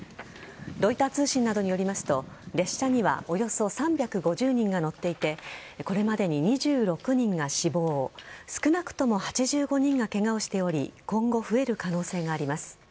ロイター通信などによりますと列車にはおよそ３５０人が乗っていてこれまでに２６人が死亡少なくとも８５人がケガをしており今後、増える可能性があります。